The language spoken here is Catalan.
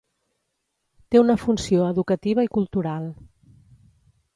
Té una funció educativa i cultural.